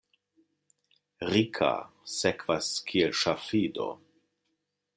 Rika, sekvas kiel ŝafido.